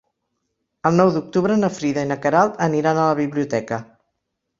El nou d'octubre na Frida i na Queralt aniran a la biblioteca.